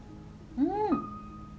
うん！